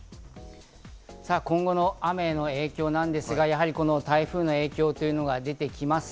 今後の雨の状況なんですが、台風の影響というのが出てきます。